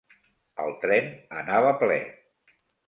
El tren anava ple.